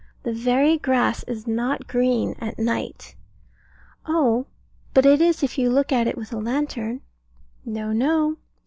The very grass is not green at night. Oh, but it is if you look at it with a lantern. No, no.